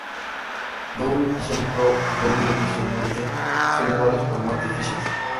Double Vision Pro y Double Vision Elite son igual pero más difíciles.